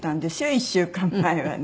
１週間前はね。